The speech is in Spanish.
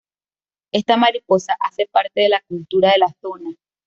Esta mariposa hace parte de la cultura de la zona.